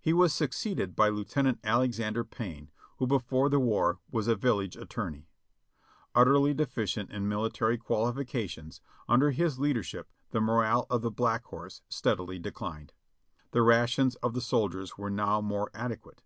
He was succeeded by Lieutenant Alexander Payne, who before the war was a village attorney. Utterly deficient in military quali fications, under his leadership the morale of the Black Horse steadily declined. The rations of the soldiers were now more adequate.